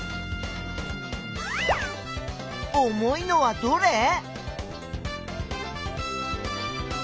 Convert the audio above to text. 重いのはどれ？